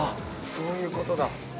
◆そういうことだ。